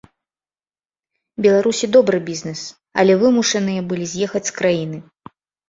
Беларусі добры бізнес, але вымушаныя былі з'ехаць з краіны.